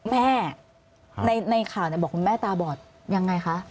ในข่าวบอกคุณแม่ตาบอดยังไงคะ